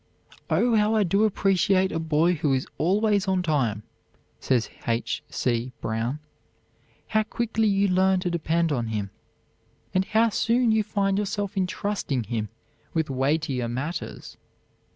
"Oh, how I do appreciate a boy who is always on time!" says H. C. Brown. "How quickly you learn to depend on him, and how soon you find yourself intrusting him with weightier matters!